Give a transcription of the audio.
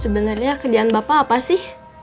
sebenernya kegiatan bapak apa sih